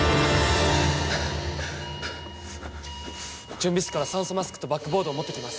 準備室から酸素マスクとバックボードを持ってきます